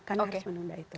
karena harus menunda itu